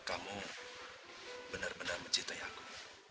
kamu benar benar mencintai aku